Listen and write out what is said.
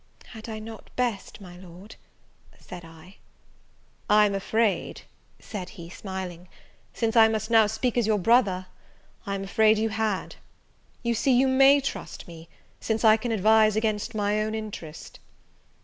"Had not I best, my Lord?" said I. "I am afraid," said he, smiling, "since I must now speak as your brother, I am afraid you had; you see you may trust me, since I can advise against my own interest."